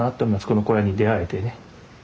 この小屋に出会えてね。